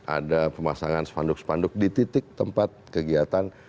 ada pemasangan sepanduk sepanduk di titik tempat kegiatan